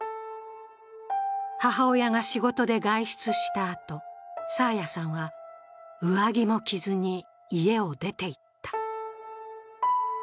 母親が仕事で外出したあと、爽彩さんは上着も着ずに家を出ていった。